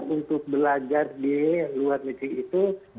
untuk belajar di luar negeri itu